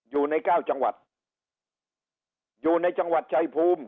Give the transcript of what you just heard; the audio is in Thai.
อยู่ในเก้าจังหวัดอยู่ในจังหวัดชายภูมิ